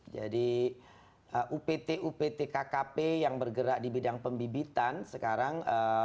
jadi upt upt kkp yang bergerak di bidang pembibitan sekarang